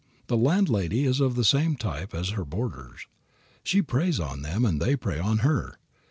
The landlady is of the same type as her boarders. She preys on them and they prey on her.